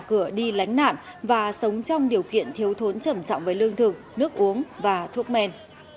cửa đi lánh nạn và sống trong điều kiện thiếu thốn trầm trọng với lương thực nước uống và thuốc men